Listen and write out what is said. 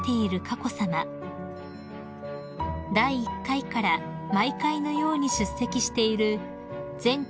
［第１回から毎回のように出席している全国